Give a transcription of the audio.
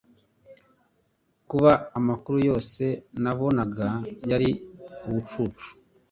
kuba amakuru yose nabonaga yari ubucucu